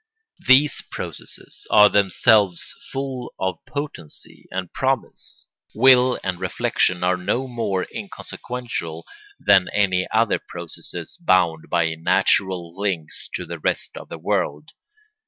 These processes are themselves full of potency and promise; will and reflection are no more inconsequential than any other processes bound by natural links to the rest of the world.